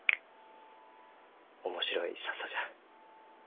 面白いササじゃ。